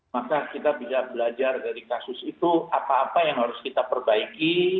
maka kita bisa belajar dari kasus itu apa apa yang harus kita perbaiki